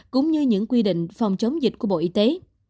cũng như những quy định phòng chống dịch của bộ y tế